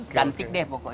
cantik deh pokoknya ini